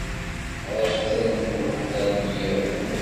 Ha-tt-an d lweḥda n yiḍ.